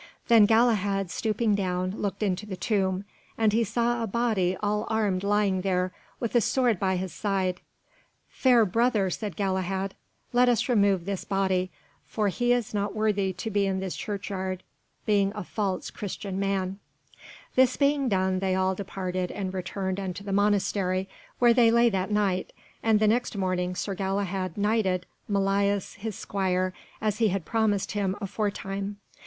Then Galahad, stooping down, looked into the tomb, and he saw a body all armed lying there, with a sword by his side. "Fair brother," said Galahad, "let us remove this body, for he is not worthy to be in this churchyard, being a false Christian man." [Illustration: SIR GALAHAD opens the tomb] This being done they all departed and returned unto the monastery, where they lay that night, and the next morning Sir Galahad knighted Melias his squire, as he had promised him aforetime.